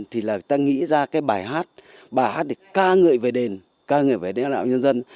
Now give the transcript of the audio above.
thì là ta nghĩ ra cái bài hát bài hát để ca ngợi về đền ca ngợi về lãnh đạo nhân dân